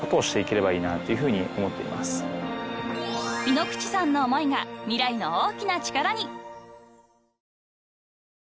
［井口さんの思いが未来の大きな力に］